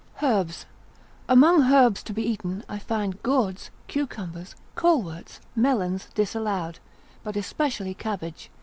Herbs.] Amongst herbs to be eaten I find gourds, cucumbers, coleworts, melons, disallowed, but especially cabbage.